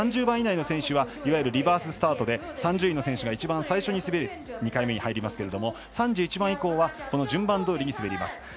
３０番以内の選手はいわゆるリバーススタートで３０位の選手が一番最初に滑る２回目ですが３１番以降は順番どおりに滑ります。